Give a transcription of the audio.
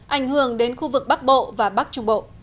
ảnh hưởng đến khu vực bắc bộ và bắc trung bộ